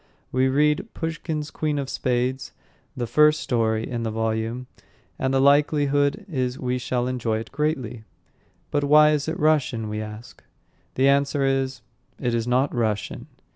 We read Pushkin's Queen of Spades, the first story in the volume, and the likelihood is we shall enjoy it greatly. "But why is it Russian?" we ask. The answer is, "It is not Russian."